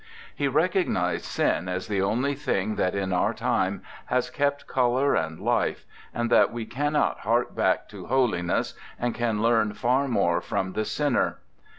He recognised sin as the only thing that in our time has kept color and life, and that we cannot hark back to holiness and can learn far more from the sinner.